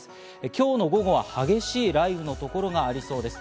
今日の午後は激しい雷雨の所がありそうです。